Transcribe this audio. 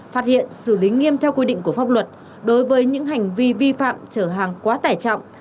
phát hiện xử lý nghiêm theo quy định của pháp luật đối với những hành vi vi phạm trở hàng quá tải trọng